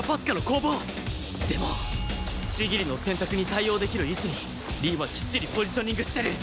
でも千切の選択に対応できる位置に凛はきっちりポジショニングしてる